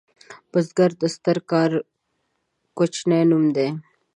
بزګر د ستر کار کوچنی نوم دی